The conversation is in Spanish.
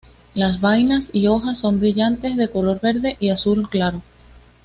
Las vainas y hojas son brillantes, de color verde o azul claro.